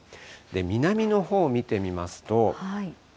南のほう見てみますと。